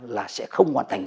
là sẽ không hoàn thành